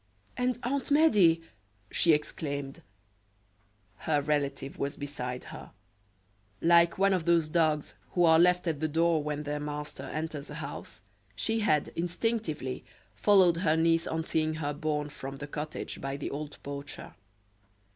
"And Aunt Medea!" she exclaimed. Her relative was beside her; like one of those dogs who are left at the door when their master enters a house, she had, instinctively followed her niece on seeing her borne from the cottage by the old poacher.